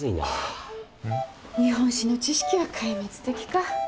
日本史の知識は壊滅的か。